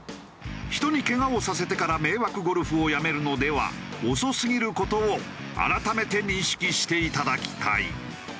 人にけがをさせてから迷惑ゴルフをやめるのでは遅すぎる事を改めて認識していただきたい。